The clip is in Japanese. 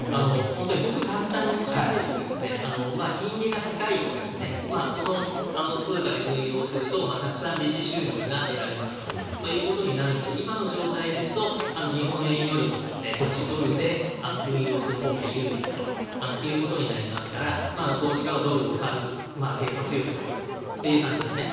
本当にごく簡単に申し上げると金利が高いとその通貨で運用するとたくさん利子収入が得られますということになるので今の状態ですと日本円よりもドルで運用するほうが有利だということになりますから投資家はドルを買う傾向が強くなるという感じですね。